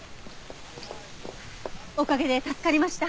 おかげで助かりました。